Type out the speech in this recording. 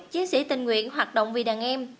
chiến sĩ tình nguyện hoạt động vì đàn em